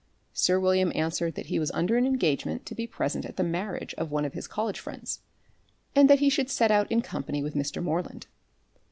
Sir William answered that he was under an engagement to be present at the marriage of one of his college friends, and that he should set out in company with Mr. Moreland.